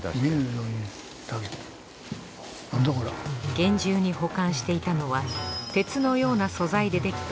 厳重に保管していたのは鉄のような素材で出来た